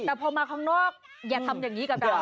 แต่พอมาข้างนอกอย่าทำอย่างนี้กับเรา